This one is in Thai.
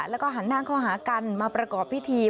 แล้วก็หันหน้าเข้าหากันมาประกอบพิธี